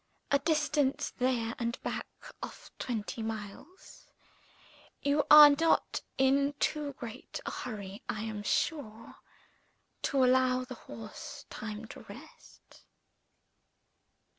A distance, there and back, of twenty miles. You are not in too great a hurry, I am sure, to allow the horse time to rest?"